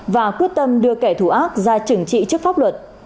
và quyết tâm đưa kẻ thù ác ra trừng trị trước pháp luật